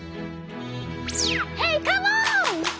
ヘイカモン！